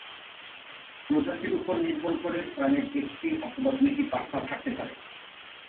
প্রজাতির উপর নির্ভর করে প্রাণির একটি অথবা দুইটি পাখনা থাকতে পারে।